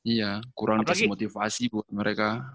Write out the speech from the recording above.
iya kurang atas motivasi buat mereka